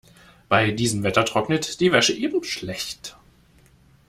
Bei diesem Wetter trocknet die Wäsche eben schlecht.